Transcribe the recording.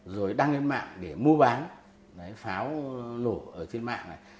rồi đăng lên mạng để mua bán pháo nổ ở trên mạng này